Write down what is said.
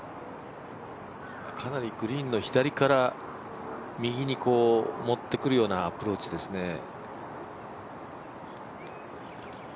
かなりグリーンの左から右に持ってくるようなアプローチですね。